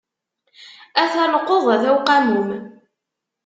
Ata llqeḍ, ata uqamum.